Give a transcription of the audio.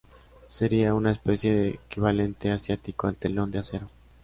Sería una especie de equivalente asiático al Telón de Acero.